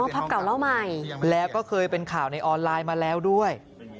ภาพเก่าเล่าใหม่แล้วก็เคยเป็นข่าวในออนไลน์มาแล้วด้วย